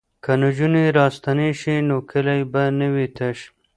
که نجونې راستنې شي نو کلی به نه وي تش.